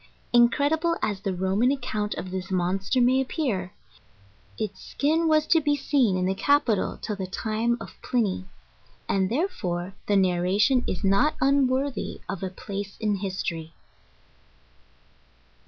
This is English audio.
* Incredible as the Roman accounts of this monster may appear, its skin was to be seen in the capitol till the time of Pliny, and, therefore, the narration is not unworthy of a place in history.